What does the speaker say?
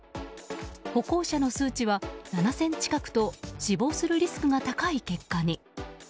歩行者の数値は７０００近くと死亡するリスクが高い結果に。